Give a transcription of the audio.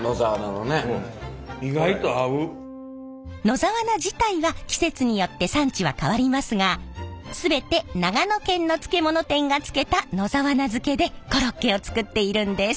野沢菜自体は季節によって産地は変わりますが全て長野県の漬物店が漬けた野沢菜漬けでコロッケを作っているんです。